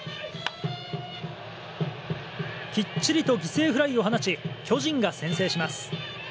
きっちりと犠牲フライを放ち巨人が先制します。